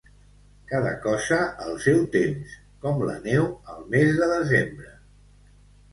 Cada cosa al seu temps, com la neu el mes de desembre.